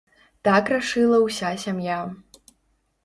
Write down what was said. Так рашыла ўся сям'я.